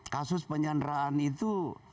kasus penyanderaan itu